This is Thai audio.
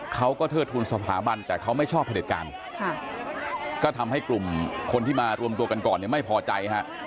เทิดทุนสถาบันแต่เขาไม่ชอบผลิตการก็ทำให้กลุ่มคนที่มารวมตัวกันก่อนเนี่ยไม่พอใจฮะ